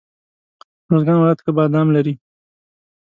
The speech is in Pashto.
روزګان ولایت ښه بادام لري.